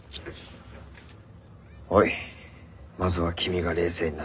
おいまずは君が冷静になれ！